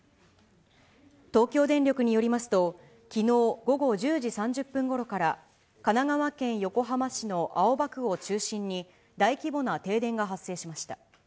東京電力によりますと、きのう午後１０時３０分ごろから、神奈川県横浜市の青葉区を中心に、大規模な停電が発生しました。